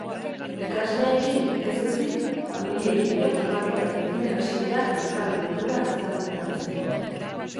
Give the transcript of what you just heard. Ikasleekin ez ezik, familiekin ere topaketak egiten hasi dira euskal kultura ezagutarazteko.